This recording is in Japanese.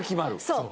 そう。